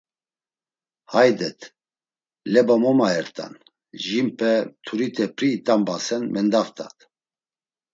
Haydet, leba mo mayert̆an jinpe mturite p̌ri it̆ambasen mendaft̆at.